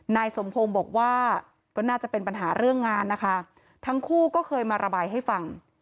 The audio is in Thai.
นายสมพงศ์บอกว่าก็น่าจะเป็นปัญหาเรื่องงานนะคะทั้งคู่ก็เคยมาระบายให้ฟัง